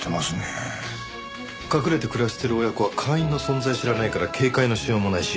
隠れて暮らしている親子は会員の存在を知らないから警戒のしようもないし。